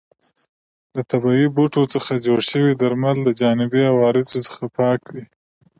د طبیعي بوټو څخه جوړ شوي درمل د جانبي عوارضو څخه پاک وي.